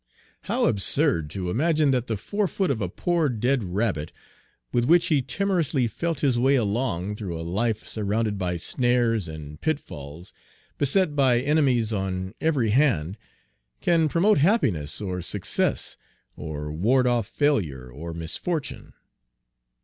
How absurd to imagine that the fore foot of a poor dead rabbit, with which he timorously felt his way along through a life surrounded by snares and pitfalls, beset by enemies on every hand, can promote happiness or success, or ward off failure or misfortune!"